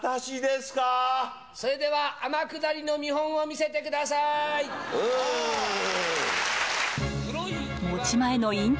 それでは天下りの見本を見せうーん。